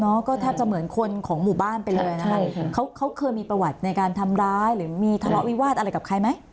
ก็แทบจะเหมือนคนของหมู่บ้านไปเลยนะคะเขาเขาเคยมีประวัติในการทำร้ายหรือมีทะเลาะวิวาสอะไรกับใครไหม